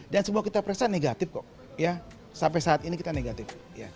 dan semua kita perasa negatif kok ya sampai saat ini kita negatif